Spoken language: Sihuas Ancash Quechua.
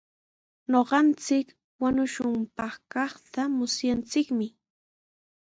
Ñuqanchik wañushunpaq kaqta musyanchikmi.